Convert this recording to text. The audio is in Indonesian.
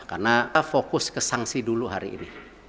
karena fokus ke sanksi dulu hari ini